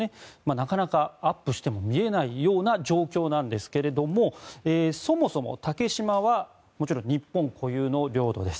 なかなかアップしても見えないような状況ですがそもそも竹島はもちろん日本固有の領土です。